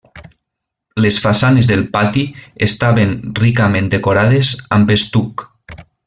Les façanes del pati estaven ricament decorades amb estuc.